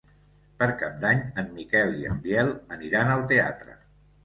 Per Cap d'Any en Miquel i en Biel aniran al teatre.